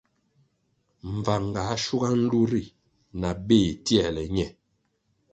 Mbvang ga schuga nlu ri na béh tierle ñe.